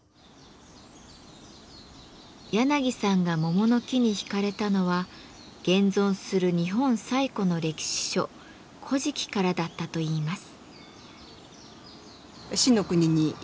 やなぎさんが桃の木に引かれたのは現存する日本最古の歴史書「古事記」からだったといいます。